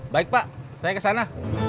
baik pak saya kesana